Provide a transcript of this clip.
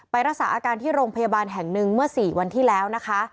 รักษาอาการที่โรงพยาบาลแห่งหนึ่งเมื่อ๔วันที่แล้วนะคะ